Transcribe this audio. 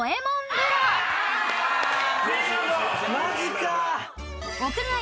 マジか。